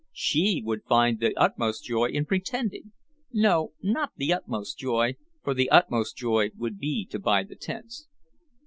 She could find the utmost joy in pretending. No, not the utmost joy, for the utmost joy would be to buy the tents....